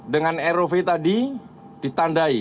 dengan rov tadi ditandai